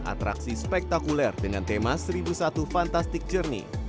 atraksi spektakuler dengan tema seribu satu fantastic journey